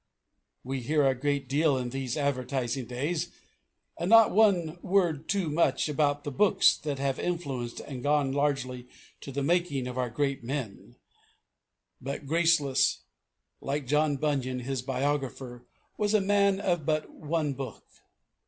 We hear a great deal in these advertising days, and not one word too much, about the books that have influenced and gone largely to the making of our great men; but Graceless, like John Bunyan, his biographer, was a man of but one book.